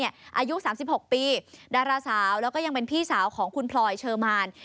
อายุ๓๖ปีดาราสาวแล้วก็ยังเป็นพี่สาวของคุณพลอยเชอร์มาน